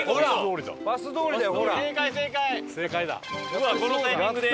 うわっこのタイミングで。